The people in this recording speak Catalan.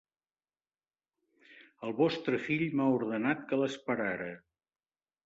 El vostre fill m'ha ordenat que l'esperara.